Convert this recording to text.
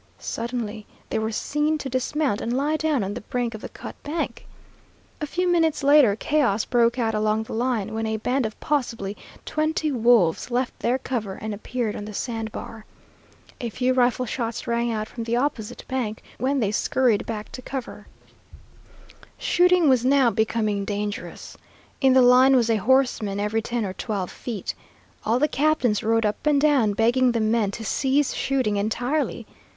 Suddenly they were seen to dismount and lie down on the brink of the cut bank. A few minutes later chaos broke out along the line, when a band of possibly twenty wolves left their cover and appeared on the sand bar. A few rifle shots rang out from the opposite bank, when they skurried back to cover. Shooting was now becoming dangerous. In the line was a horseman every ten or twelve feet. All the captains rode up and down begging the men to cease shooting entirely.